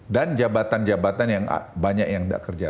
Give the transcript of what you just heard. dan jabatan jabatan yang banyak yang nggak kerja